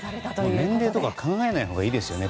もう年齢とか考えないほうがいいですよね。